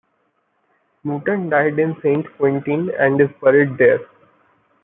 Mouton died in Saint-Quentin and is buried there.